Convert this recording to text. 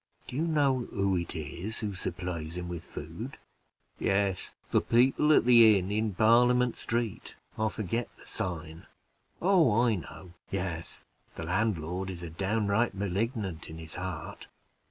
"Do you know who it is who supplies him with food?" "Yes, the people at the inn in Parliament street I forget the sign." "Oh, I know. Yes, the landlord is a downright Malignant in his heart!